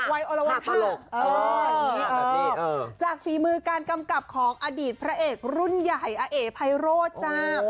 โอละจากฝีมือการกำกับของอดีตพระเอกรุ่นใหญ่อาเอ๋ไพโรธจ้า